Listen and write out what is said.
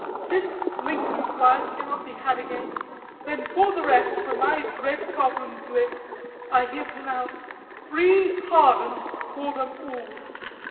Since Lincoln's life cannot be had again, Then for the rest, from my dread sovereign's lips, I here pronounce free pardon for them all. ALL.